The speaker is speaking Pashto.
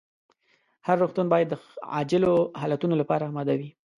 هر روغتون باید د عاجلو حالتونو لپاره اماده وي.